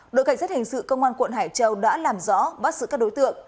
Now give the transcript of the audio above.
đội cảnh sát hình sự công an quận hải châu đã làm rõ bắt giữ các đối tượng